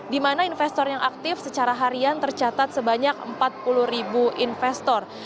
di mana investor yang aktif secara harian tercatat sebanyak empat puluh ribu investor